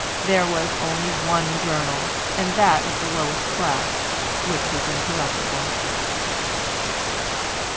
There was only one journal, and that of the lowest class, which was incorruptible.